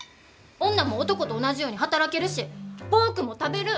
女も男と同じように働けるしポークも食べる！